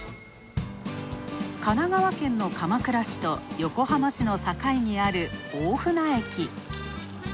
神奈川県の鎌倉市と横浜市の境にある大船駅。